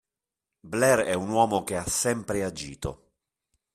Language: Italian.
Blair è un uomo che ha sempre agito